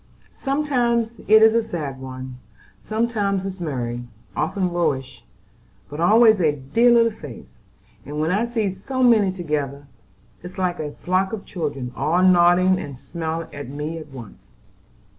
Sometimes it is a sad one, sometimes it's merry, often roguish, but always a dear little face; and when I see so many together, it's like a flock of children, all nodding and smiling at me at once."